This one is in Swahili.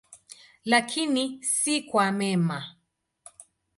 Lakini si kwa mema.